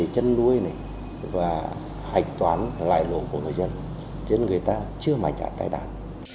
với chăn nuôi này và hạch toán lại lộ của người dân chứ người ta chưa mãi trả tái đàn